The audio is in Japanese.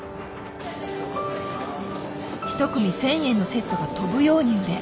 １組１，０００円のセットが飛ぶように売れ